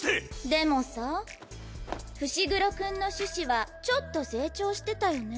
でもさ伏黒君の種子はちょっと成長してたよね。